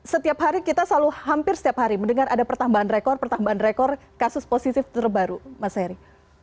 setiap hari kita selalu hampir setiap hari mendengar ada pertambahan rekor pertambahan rekor kasus positif terbaru mas heri